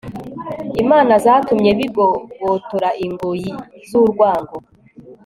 imana zatumye bigobotora ingoyi z urwango